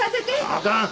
あかん！